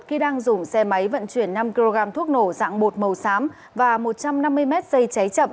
khi đang dùng xe máy vận chuyển năm kg thuốc nổ dạng bột màu xám và một trăm năm mươi m dây cháy chậm